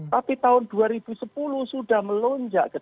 tapi tahun dua ribu sepuluh sudah melonjak ke delapan belas enam